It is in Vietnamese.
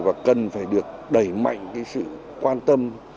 và cần phải được đẩy mạnh cái sự quan tâm